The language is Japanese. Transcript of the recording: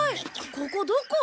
ここどこ？